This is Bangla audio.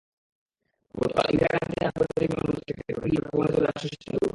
গতকাল ইন্ধিরা গান্ধী আন্তর্জাতিক বিমানবন্দর থেকে দক্ষিণ দিল্লির বাসভবনে চলে যান শশী থারুর।